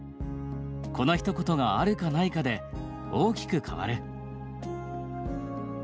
このひと言が、あるかないかで大きく変わる」。